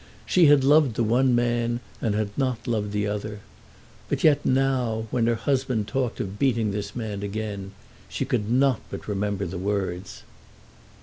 She had loved the one man and had not loved the other; but yet, now, when her husband talked of beating this man again, she could not but remember the words.